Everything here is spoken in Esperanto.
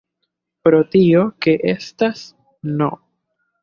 Pro tio ke estas "n!